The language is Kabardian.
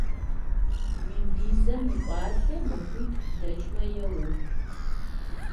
Уи визэм и пӏалъэр махуитху дэкӏмэ еух.